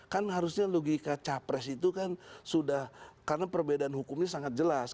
kan harusnya logika capres itu kan sudah karena perbedaan hukumnya sangat jelas